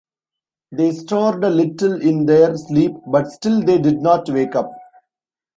They stirred a little in their sleep, but still they did not wake up.